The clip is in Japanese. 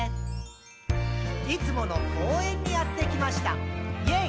「いつもの公園にやってきました！イェイ！」